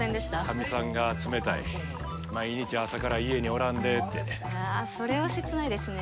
カミさんが冷たい毎日朝から家におらんでっていやそれは切ないですね